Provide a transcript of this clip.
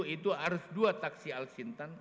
seribu itu harus dua taksi alsintan